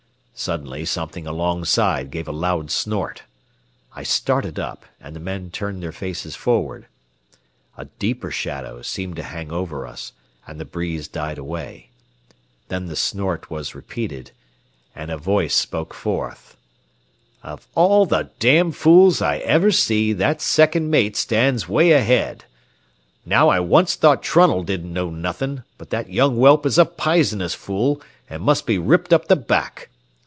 Suddenly something alongside gave a loud snort. I started up, and the men turned their faces forward. A deeper shadow seemed to hang over us, and the breeze died away. Then the snort was repeated, and a voice spoke forth: "Of all the damned fools I ever see, that second mate stands way ahead. Now I onct thought Trunnell didn't know nothin', but that young whelp is a pizenous fool, an' must be ripped up the back.